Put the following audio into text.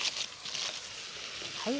はい。